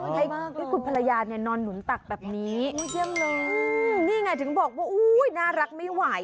ต้องให้คุณภรรยานอนหนุนตักตระบบนี้นี่แหละถึงบอกว่าน่ารักไม่ไหว